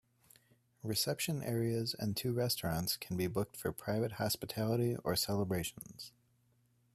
Reception areas and two restaurants can be booked for private hospitality or celebrations.